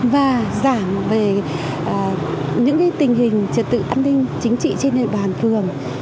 và giảm về những tình hình trật tự an ninh chính trị trên địa bàn phường